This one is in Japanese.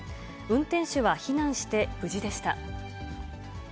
運転手は避難して無事でした。